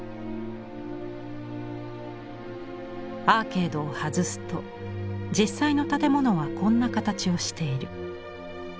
アーケードを外すと実際の建物はこんな形をしている。